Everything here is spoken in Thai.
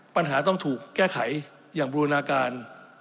ปัญหาต้องถูกแก้ไขอย่างบูรณาการ